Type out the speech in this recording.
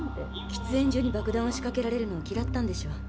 喫煙所に爆弾を仕かけられるのをきらったんでしょう。